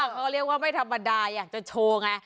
เขาเรียกว่าไม่ธรรมดาอยากจะโชว์ไง